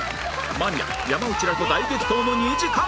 間宮山内らと大激闘の２時間！